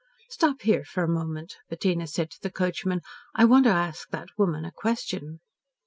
"Stop here for a moment," Bettina said to the coachman. "I want to ask that woman a question."